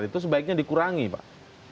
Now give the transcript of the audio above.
itu sebaiknya dikurangi pak